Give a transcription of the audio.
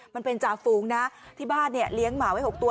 มันเป็นจ่าฝูงนะที่บ้านเนี่ยเลี้ยงหมาไว้๖ตัว